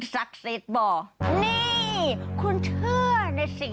ย่ายดาวข้าวอีย้าง